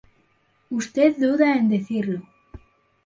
usted duda en decirlo